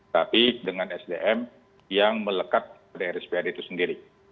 tapi dengan sdm yang melekat pada rspad itu sendiri